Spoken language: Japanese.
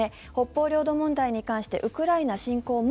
北方領土問題に関してウクライナ侵攻